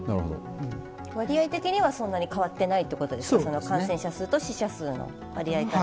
割合的にはそんなに変わってないということですか感染者数と死者数の割合は。